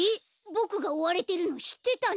ボクがおわれてるのしってたの？